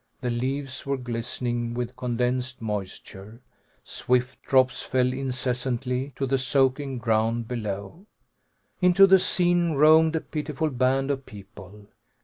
The leaves were glistening with condensed moisture; swift drops fell incessantly to the soaking ground below. Into the scene roamed a pitiful band of people.